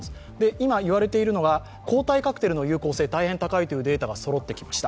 今、言われているのは抗体カクテルの治療薬がり大変高いというデータがそろってきました。